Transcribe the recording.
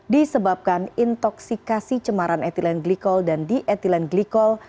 disebabkan intoxikasi cemaran etilen glikol dan di etilen glikol